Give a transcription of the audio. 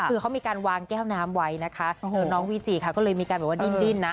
คือเขามีการวางแก้วน้ำไว้นะคะน้องวีจิค่ะก็เลยมีการแบบว่าดิ้นดิ้นนะ